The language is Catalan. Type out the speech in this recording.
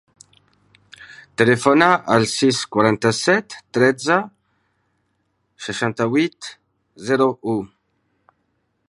Telefona al sis, quaranta-set, tretze, seixanta-vuit, zero, u.